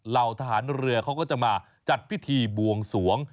เหล่าทหารเรือเขาก็จะมาจัดพิธีบวงสวง